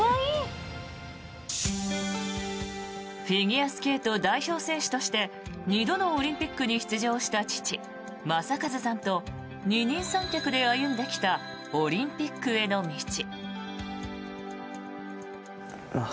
フィギュアスケート代表選手として２度のオリンピックに出場した父・正和さんと二人三脚で歩んできたオリンピックへの道。